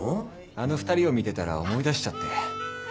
あの２人を見てたら思い出しちゃって。